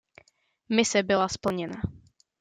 Mise byla splněna.